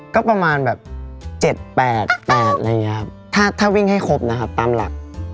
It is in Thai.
ก็ประมาณแบบ๗๘๘อะไรอย่างนี้ครับถ้าวิ่งให้ครบนะครับตามหลัก